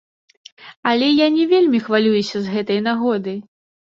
Але я не вельмі хвалююся з гэтай нагоды.